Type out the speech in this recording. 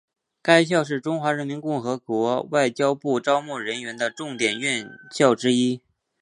该校是中华人民共和国外交部招募人员的重点院校之一。